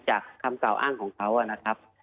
คำกล่าวอ้างของเขานะครับ